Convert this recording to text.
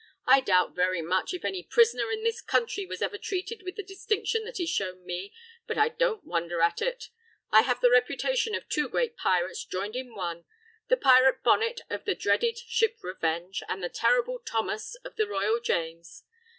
I doubt very much if any prisoner in this country was ever treated with the distinction that is shown me, but I don't wonder at it; I have the reputation of two great pirates joined in one the pirate Bonnet, of the dreaded ship Revenge, and the terrible Thomas of the Royal James.